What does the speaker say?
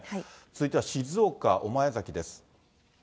続いては静岡・御前崎です。